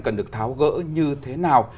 cần được tháo gỡ như thế nào